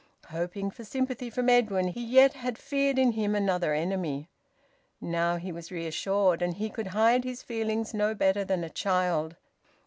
Hoping for sympathy from Edwin, he yet had feared in him another enemy. Now he was reassured, and he could hide his feelings no better than a child.